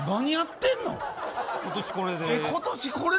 今年これで。